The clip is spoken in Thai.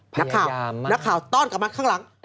พยายามมาก